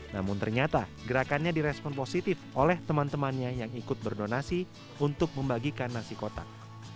namun ternyata gerakannya direspon positif oleh teman temannya yang ikut berdonasi untuk membagikan nasi kotak